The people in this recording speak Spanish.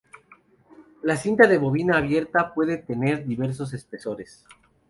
La cinta de bobina abierta pueden tener diversos espesores.